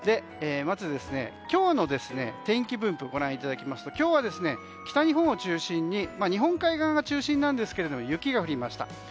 まず、今日の天気分布をご覧いただきますと今日は、北日本を中心に日本海側が中心ですが雪が降りました。